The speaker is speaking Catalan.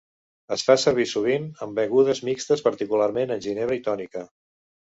Es fa servir sovint en begudes mixtes, particularment en ginebra i tònica.